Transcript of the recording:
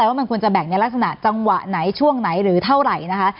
ว่ามันควรจะแบ่งในลักษณะจังหวะไหนช่วงไหนหรือเท่าไหร่นะคะ